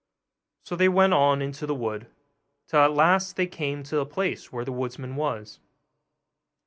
So they went on into the wood, till at last they came to the place where the woodman was.